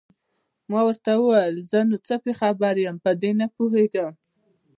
ما ورته وویل: زه نو څه په خبر یم، په دې نه پوهېږم.